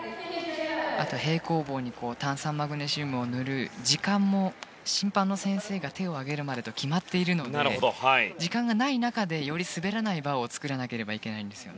あとは平行棒に炭酸マグネシウムを塗る時間も審判の先生が手を上げるまでと決まっているので時間がない中でより滑らないバーを作らなければならないんです。